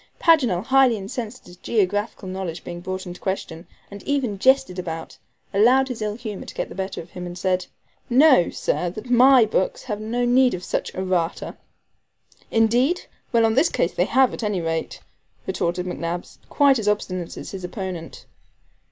Paganel, highly incensed at his geographical knowledge being brought in question, and even jested about, allowed his ill humor to get the better of him, and said: "Know, sir, that my books have no need of such ERRATA." "Indeed! Well, on this occasion they have, at any rate," retorted McNabbs, quite as obstinate as his opponent.